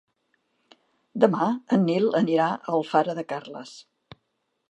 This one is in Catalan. Demà en Nil anirà a Alfara de Carles.